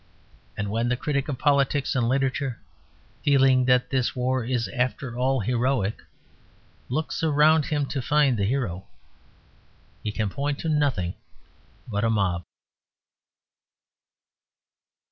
And when the critic of politics and literature, feeling that this war is after all heroic, looks around him to find the hero, he can point to nothing but a mob.